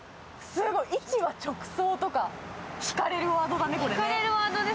市場直送とか、引かれるワードだね